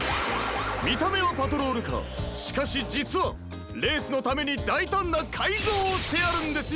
みためはパトロールカーしかしじつはレースのためにだいたんなかいぞうをしてあるんですよ！